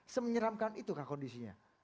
semenyeramkan itukah kondisinya